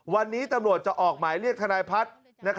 วันนี้ตำรวจจะออกหมายเรียกธนายพัฒน์